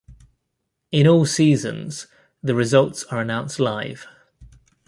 In all seasons, the results are announced live.